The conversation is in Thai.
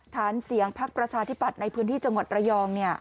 ฐานเสียงพักประชาธิปัตย์ในพื้นที่จังหวัดระยอง